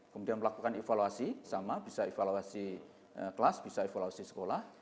kemudian melakukan evaluasi sama bisa evaluasi kelas bisa evaluasi sekolah